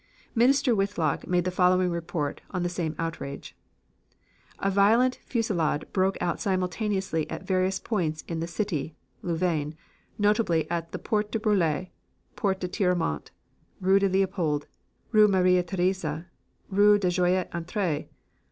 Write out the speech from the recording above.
Minister Whitlock made the following report on the same outrage: "A violent fusillade broke out simultaneously at various points in the city (Louvain), notably at the Porte de Bruxelles, Porte de Tirlemont, Rue Leopold, Rue Marie Therese, Rue des Joyeuses Entrees.